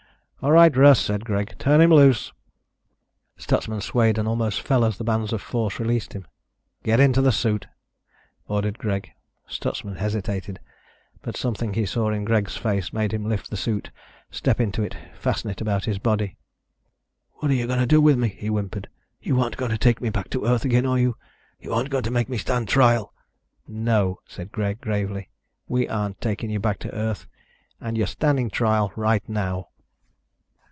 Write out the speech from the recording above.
"All right, Russ," said Greg. "Turn him loose." Stutsman swayed and almost fell as the bands of force released him. "Get into that suit," ordered Greg. Stutsman hesitated, but something he saw in Greg's face made him lift the suit, step into it, fasten it about his body. "What are you going to do with me?" he whimpered. "You aren't going to take me back to Earth again, are you? You aren't going to make me stand trial?" "No," said Greg, gravely, "we aren't taking you back to Earth. And you're standing trial right now."